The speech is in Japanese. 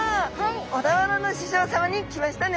小田原の市場さまに来ましたね！